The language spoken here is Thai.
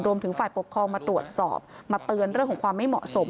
รวมถึงฝ่ายปกครองมาตรวจสอบมาเตือนเรื่องของความไม่เหมาะสม